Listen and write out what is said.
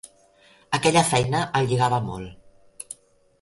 Aquella feina el lligava molt.